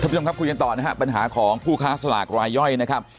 ผู้ชมครับคุยกันต่อนะฮะปัญหาของผู้ค้าสลากรายย่อยนะครับ